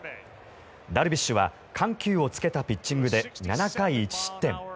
ダルビッシュは緩急をつけたピッチングで７回１失点。